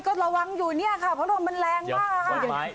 ก็ระวังอยู่เนี่ยค่ะเพราะลมมันแรงมากค่ะ